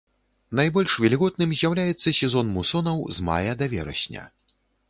Найбольш вільготным з'яўляецца сезон мусонаў з мая да верасня.